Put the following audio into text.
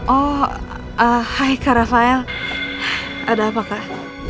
oh hai kak rafael ada apa kak